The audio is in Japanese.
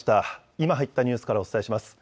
今入ったニュースからお伝えします。